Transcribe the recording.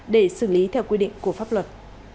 để xử lý theo quy định của pháp luật